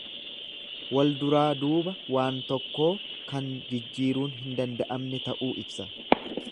Wal duraa duuba waan tokkoo kan jijjiruun hin dada'amne ta'uu ibsa.